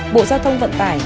bộ giao thông vận tải